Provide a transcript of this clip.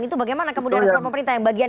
itu bagaimana kemudian bagian itu